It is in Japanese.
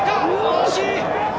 惜しい！